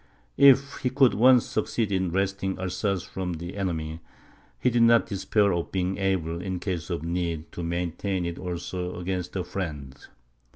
If he could once succeed in wresting Alsace from the enemy, he did not despair of being able, in case of need, to maintain it also against a friend.